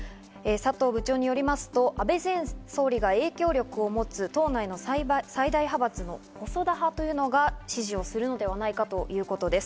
佐藤部長によりますと、安倍前総理が影響力を持つ党内の最大派閥の細田派というのが支持するのではないかということです。